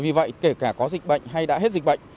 vì vậy kể cả có dịch bệnh hay đã hết dịch bệnh